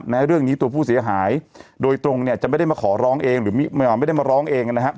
แม้เรื่องนี้ตัวผู้เสียหายโดยตรงจะไม่ได้มาขอร้องเอง